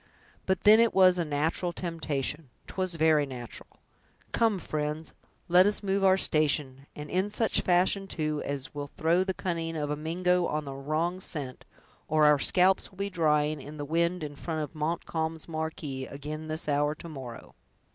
But then it was a natural temptation! 'twas very natural! Come, friends, let us move our station, and in such fashion, too, as will throw the cunning of a Mingo on a wrong scent, or our scalps will be drying in the wind in front of Montcalm's marquee, ag'in this hour to morrow."